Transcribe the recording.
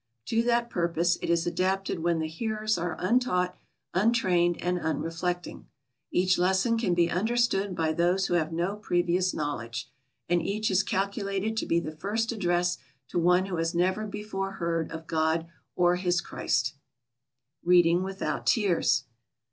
To that purpose it is adapted when the hearers are untaught, untrained, and unreflecting. Each lesson can be understood by those who have no previous knowledge, and each is calculated to be the first address to one who has never before heard of God or his Christ." Reading without Tears.